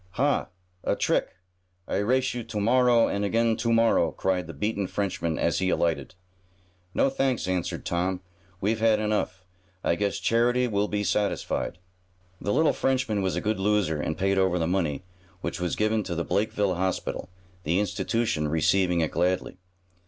"Ha! A trick! I race you to morrow and again to morrow!" cried the beaten Frenchman as he alighted. "No, thanks," answered Tom. "We've had enough. I guess charity will be satisfied." The little Frenchman was a good loser, and paid over the money, which was given to the Blakeville Hospital, the institution receiving it gladly.